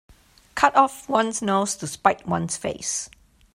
Cut off one's nose to spite one's face.